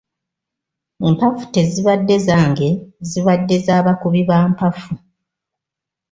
Empafu tezibadde zange zibadde za bakubi ba mpafu.